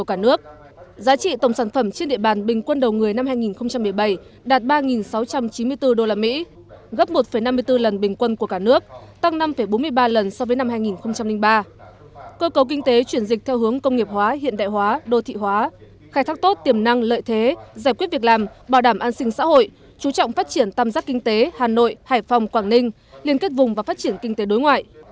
cơ cấu kinh tế chuyển dịch theo hướng công nghiệp hóa hiện đại hóa đô thị hóa khai thác tốt tiềm năng lợi thế giải quyết việc làm bảo đảm an sinh xã hội chú trọng phát triển tăm giác kinh tế hà nội hải phòng quảng ninh liên kết vùng và phát triển kinh tế đối ngoại